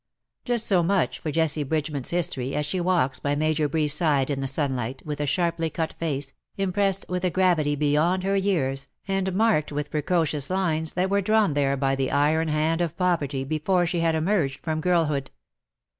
Just so much for Jessie Bridgeman^s history as she v/alks by Major Bree's side in the sunlight, with a sharply cut face, impressed with a gravity beyond her years, and marked with precocious lines that were drawn there by the iron hand of poverty before she had emerged from girlhood.